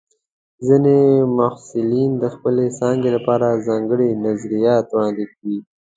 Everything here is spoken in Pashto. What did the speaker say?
ځینې محصلین د خپلې څانګې لپاره ځانګړي نظریات وړاندې کوي.